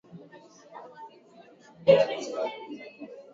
tayari kumekuwa na taarifa za kupangwa kwa maandamano ya kishinikiza masuala muhimu